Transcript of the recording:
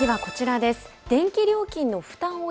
次はこちらです。